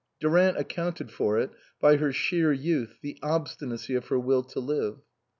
Durant accounted for it by her sheer youth, the obstinacy of her will to live.